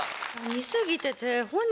似過ぎてて。